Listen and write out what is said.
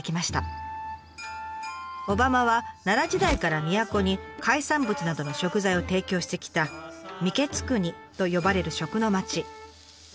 小浜は奈良時代から都に海産物などの食材を提供してきた「御食国」と呼ばれる食の町。